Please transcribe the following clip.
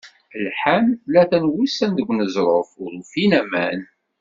Lḥan tlata n wussan deg uneẓruf, ur ufin aman.